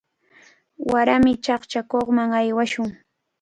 Warami chaqchakuqman aywashun.